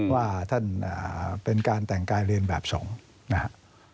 ว่าท่านเป็นการแต่งกายเรียนแบบศก